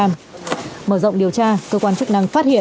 mở rộng điều tra cơ quan chức năng phát hiện